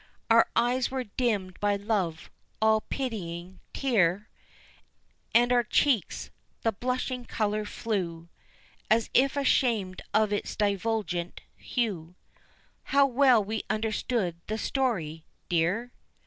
Our eyes were dimmed by Love's all pitying tear And from our cheeks the blushing colour flew As if ashamed of its divulgent hue; How well we understood the story, dear!